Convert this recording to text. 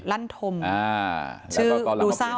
ลั่นธมชื่อดูเศร้า